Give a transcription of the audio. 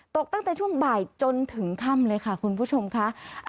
ตกตั้งแต่ช่วงบ่ายจนถึงค่ำเลยค่ะคุณผู้ชมค่ะ